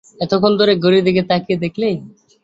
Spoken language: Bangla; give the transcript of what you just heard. এতক্ষণ পরে ঘড়ির দিকে তাকিয়ে দেখলে।